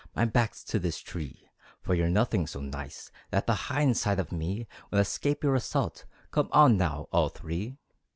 My back's to this tree, For you're nothing so nice That the hind side of me Would escape your assault. Come on now, all three!